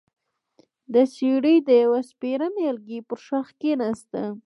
د څېړۍ د يوه سپېره نيالګي پر ښاخ کېناستم،